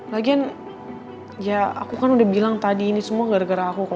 lagian ya aku kan udah bilang tadi ini semua gara gara aku